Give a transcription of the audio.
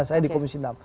saya di komisi enam